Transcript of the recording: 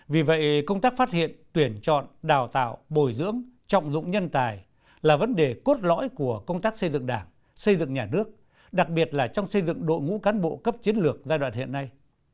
vì vậy công tác phát hiện tuyển chọn đào tạo bồi dưỡng trọng dụng nhân tài là vấn đề cốt lõi của công tác xây dựng đảng xây dựng nhà nước đặc biệt là trong xây dựng đội ngũ cán bộ cấp chiến lược giai đoạn hiện nay